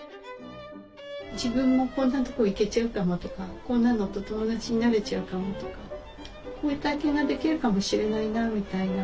自分もこんなとこ行けちゃうかもとかこんなのと友達になれちゃうかもとかこういう体験ができるかもしれないなみたいな。